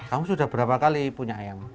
kamu sudah berapa kali punya ayam